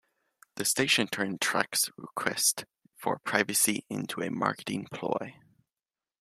The station turned Tracht's request for privacy into a marketing ploy.